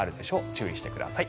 注意してください。